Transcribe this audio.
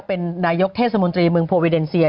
เป็นนายกเทศมนตรีเมืองโพวิเดนเซีย